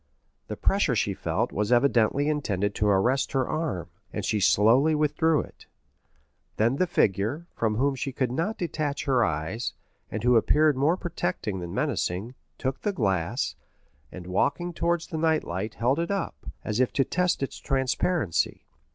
The pressure she felt was evidently intended to arrest her arm, and she slowly withdrew it. Then the figure, from whom she could not detach her eyes, and who appeared more protecting than menacing, took the glass, and walking towards the night light held it up, as if to test its transparency.